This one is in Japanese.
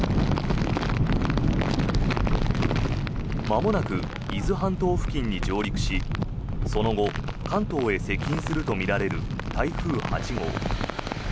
まもなく伊豆半島付近に上陸しその後、関東へ接近するとみられる台風８号。